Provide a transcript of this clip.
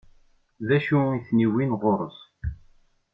D acu i ten-iwwin ɣur-s?